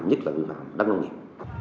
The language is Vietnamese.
nhất là vi phạm đất nông nghiệp